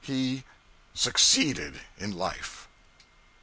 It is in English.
He succeeded in life.